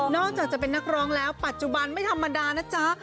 อกจากจะเป็นนักร้องแล้วปัจจุบันไม่ธรรมดานะจ๊ะ